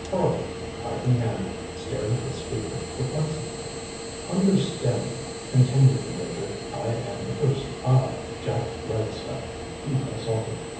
ŌĆØ Harley, pipe in hand, stared at the speaker perplexedly. ŌĆ£Understand me, ŌĆØ continued the Major, ŌĆ£I am the person I, Jack Ragstaff he assaulted.